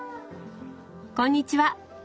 こんにちは。